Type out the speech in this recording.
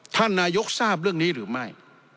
ท่านนายกทราบเรื่องนี้หรือไม่